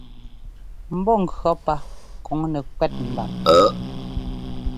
Mbɔ́ŋkʉ̈ɔ́ pá kɔŋ nɛkwɛ́t mbap.